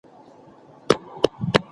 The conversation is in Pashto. ځوانان باید د خپل هېواد په کیسو خبر وي.